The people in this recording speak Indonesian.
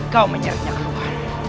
kau menyeretnya ke luar